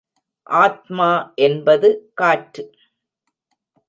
ஆத்மா என்பது காற்று.